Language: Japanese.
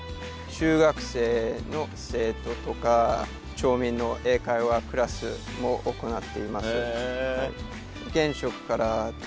中学生の生徒とか町民の英会話クラスも行っています。